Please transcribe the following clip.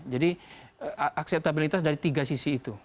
jadi akseptabilitas dari tiga sisi itu